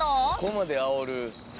そこまであおる。